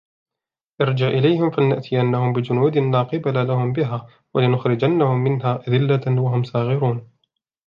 ارْجِعْ إِلَيْهِمْ فَلَنَأْتِيَنَّهُمْ بِجُنُودٍ لَا قِبَلَ لَهُمْ بِهَا وَلَنُخْرِجَنَّهُمْ مِنْهَا أَذِلَّةً وَهُمْ صَاغِرُونَ